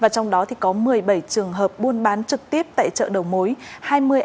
trong đó có một mươi bảy trường hợp buôn bán trực tiếp tại chợ đầu mối